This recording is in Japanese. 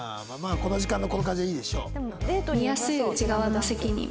この時間のこの感じはいいでしょう。